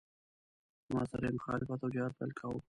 زما سره یې مخالفت او جهاد پیل کاوه.